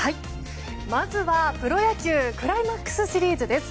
まずはプロ野球クライマックスシリーズです。